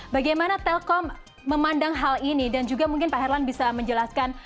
bagaimana telkom memandang hal ini dan juga mungkin pak herlan bisa menjelaskan